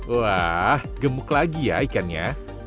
wah gemuk lagi ya ikannya